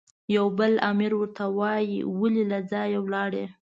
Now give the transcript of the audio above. یو بل امیر ورته وایي، ولې له ځایه ولاړې؟